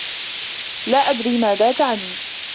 لا أدري ماذا تعني.